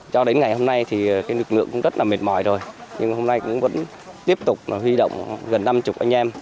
cho đến ngày hôm nay thì cái lực lượng cũng rất là mệt mỏi rồi nhưng hôm nay cũng vẫn tiếp tục huy động gần năm mươi anh em